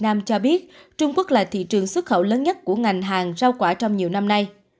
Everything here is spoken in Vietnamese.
nam cho biết trung quốc là thị trường xuất khẩu lớn nhất của ngành hàng rau quả trong nhiều năm nay